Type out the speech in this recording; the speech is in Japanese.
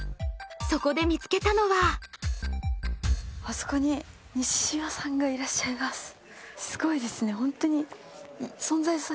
そこで見つけたのはあそこに西島さんがいらっしゃいますすごいですね